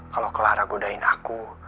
kalau clara godain aku